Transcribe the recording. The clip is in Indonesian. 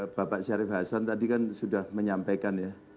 bapak syarif hasan tadi kan sudah menyampaikan ya